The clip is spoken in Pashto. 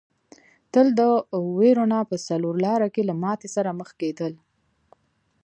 تل د وېرونا په څلور لاره کې له ماتې سره مخ کېدل.